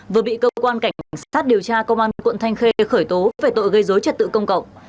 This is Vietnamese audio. vừa bị cơ quan cảnh sát điều tra công an quận thanh khê khởi tố về tội gây dối trật tự công cộng